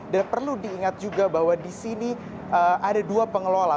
dan perlu diingat juga bahwa di sini ada dua pengelola